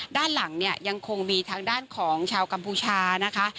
ด้านหลังเนี่ยยังคงมีทางด้านของชาวกัมพูชานะคะ